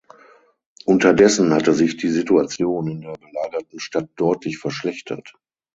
Unterdessen hatte sich die Situation in der belagerten Stadt deutlich verschlechtert.